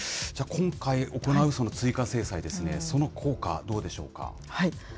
今回行う追加制裁ですね、その効果、どうでしょうか。